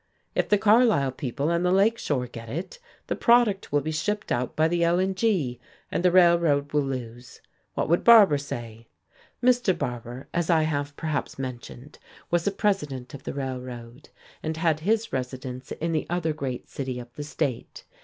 If the Carlisle people and the Lake Shore get it, the product will be shipped out by the L and G, and the Railroad will lose. What would Barbour say?" Mr. Barbour, as I have perhaps mentioned, was the president of the Railroad, and had his residence in the other great city of the state.